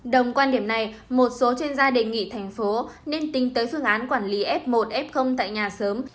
đồng quan điểm này một số chuyên gia đề nghị thành phố nên tính tới phương án quản lý f một f tại nhà sớm